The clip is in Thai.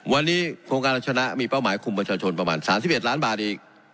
วันนี้โครงการรัชนะมีเป้าหมายคุมประชาชนประมาณ๓๑ล้านบาทอีก